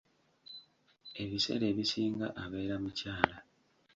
Ebiseera ebisinga abeera mukyala.